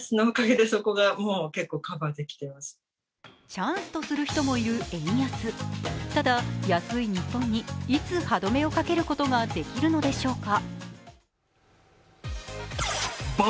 チャンスとする人もいる円安ただ、安い日本にいつ、歯止めをかけることができるのでしょうか。